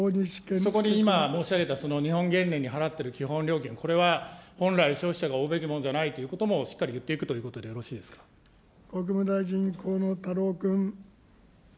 そこに今申し上げた、その日本原電に支払っている基本料金、本来消費者が負うべきものじゃないということも、しっかり言っていくということでよろしい国務大臣、河野太郎君。